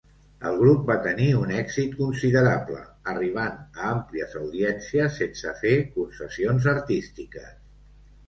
El grup va tenir un èxit considerable, arribant a àmplies audiències sense fer concessions artístiques.